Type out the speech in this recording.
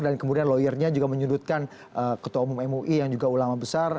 dan kemudian lawyernya juga menyudutkan ketua umum mui yang juga ulama besar